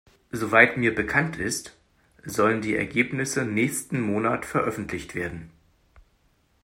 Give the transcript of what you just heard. Soweit mir bekannt ist, sollen die Ergebnisse nächsten Monat veröffentlicht werden.